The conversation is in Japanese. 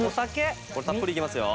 これたっぷりいきますよ。